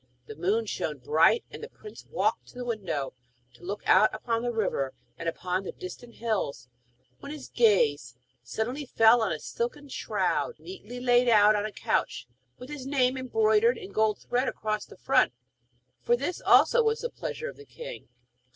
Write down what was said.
The moon shone bright, and the prince walked to the window to look out upon the river and upon the distant hills, when his gaze suddenly fell on a silken shroud neatly laid out on a couch, with his name embroidered in gold thread across the front; for this also was the pleasure of the king.